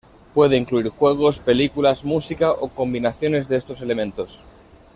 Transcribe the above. Puede incluir juegos, películas, música, o combinaciones de estos elementos.